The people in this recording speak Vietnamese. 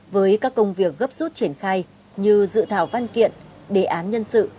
với các công việc gấp rút triển khai như dự thảo văn kiện đề án nhân sự